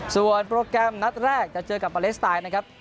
ส่วนโปรแกรมนัดแรกจะเจอกับปาเลสไตน์นะครับ